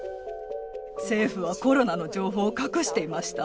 政府はコロナの情報を隠していました。